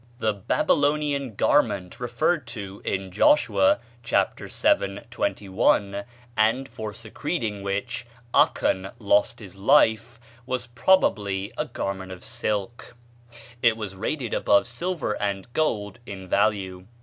The "Babylonish garment" referred to in Joshua (chap. vii., 21), and for secreting which Achan lost his life, was probably a garment of silk; it was rated above silver and gold in value.